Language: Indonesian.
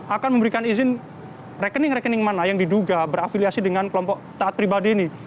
akan memberikan izin rekening rekening mana yang diduga berafiliasi dengan kelompok taat pribadi ini